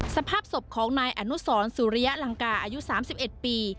สภาพศพของนายอนุสรสุริยะลังกาอายุ๓๑ปี